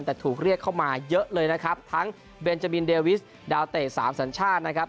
แต่ถูกเรียกเข้ามาเยอะเลยนะครับทั้งเบนจามินเดวิสดาวเตะสามสัญชาตินะครับ